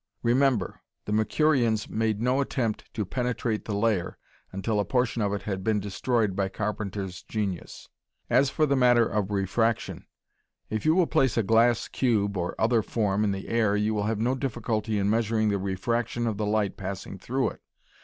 Remember, the Mercurians made no attempt to penetrate the layer until a portion of it had been destroyed by Carpenter's genius. As for the matter of refraction. If you will place a glass cube or other form in the air, you will have no difficulty in measuring the refraction of the light passing through it.